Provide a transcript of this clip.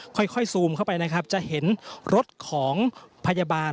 ค่อยซูมเข้าไปนะครับจะเห็นรถของพยาบาล